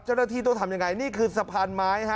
เจ้าหน้าที่ต้องทำยังไงนี่คือสะพานไม้ฮะ